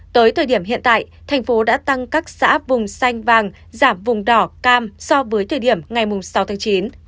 tới thời điểm hiện tại thành phố đã tăng các xã vùng xanh vàng giảm vùng đỏ cam so với thời điểm ngày sáu tháng chín